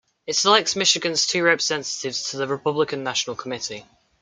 It selects Michigan's two representatives to the Republican National Committee.